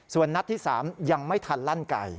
ส่วนนัดที่๓ยังไม่ทันลั่นไก่